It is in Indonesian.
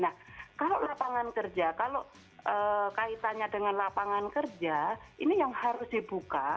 nah kalau lapangan kerja kalau kaitannya dengan lapangan kerja ini yang harus dibuka